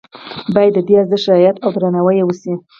باید د دې ارزښت رعایت او درناوی وشي.